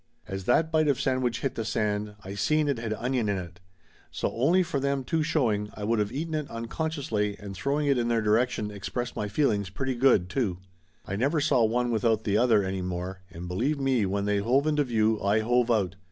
As that bite of sandwich hit the sand I seen it had onion in it ! So only for them two show ing, I would of eaten it unconsciously, and throwing it in their direction expressed my feelings pretty good, too. I never saw one without the other any more, and believe me when they hove into view I hove out.